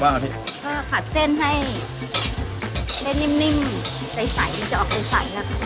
โอ้โหใส่ล้อเท่านั้นแหละ